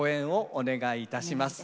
お願いいたします。